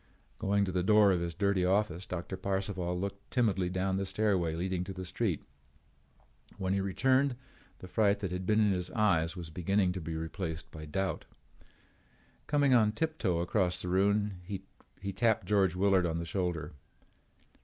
Going to the door of his dirty office, Doctor Parcival looked timidly down the stairway leading to the street. When he returned the fright that had been in his eyes was beginning to be replaced by doubt. Coming on tiptoe across the room he tapped George Willard on the shoulder.